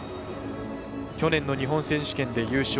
去年の日本選手権で優勝。